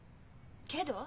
けど？